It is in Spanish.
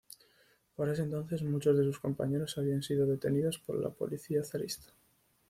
Por ese entonces muchos de sus compañeros habían sido detenidos por la policía zarista.